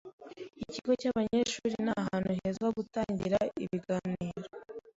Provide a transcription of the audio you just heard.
Ikigo cyabanyeshuri ni ahantu heza ho gutangiza ibiganiro.